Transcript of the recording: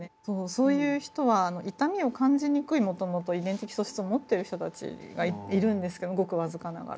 そういう人は痛みを感じにくいもともと遺伝的素質を持ってる人たちがいるんですけどごく僅かながら。